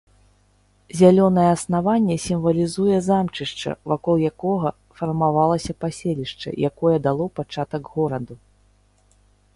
Зялёнае аснаванне сімвалізуе замчышча, вакол якога фармавалася паселішча, якое дало пачатак гораду.